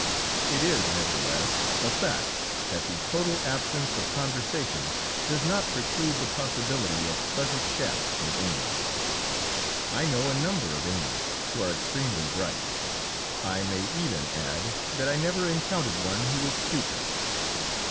It is, nevertheless, a fact that the total absence of conversation does not preclude the possibility of pleasant chat in England. I know a number of English who are extremely bright; I may even add that I never encountered one who was stupid.